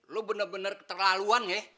lo bener bener keterlaluan ya